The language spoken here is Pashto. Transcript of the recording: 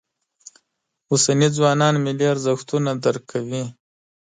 اوسني ځوانان ملي ارزښتونه درک کوي.